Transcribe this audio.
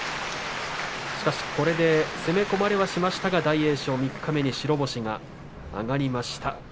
攻め込まれはしましたが大栄翔、三日目に白星が挙がりました。